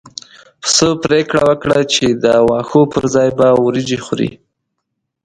پسه پرېکړه وکړه چې د واښو پر ځای به وريجې خوري.